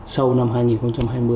sau năm hai nghìn hai mươi